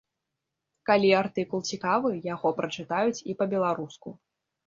Калі артыкул цікавы, яго прачытаюць і па-беларуску.